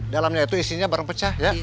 dalamnya itu isinya barang pecah ya